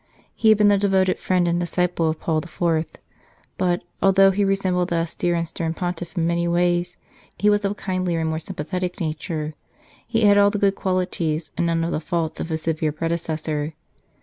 He had been the devoted friend and disciple of Paul IV., but, although he resembled that austere and stern Pontiff in many ways, he was of a kindlier and more sympathetic nature. He had all the good qualities, and none of the faults, of his severe predecessor.